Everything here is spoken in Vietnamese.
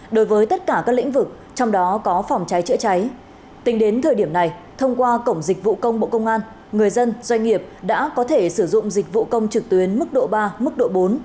dịch vụ công bộ công an người dân doanh nghiệp đã có thể sử dụng dịch vụ công trực tuyến mức độ ba mức độ bốn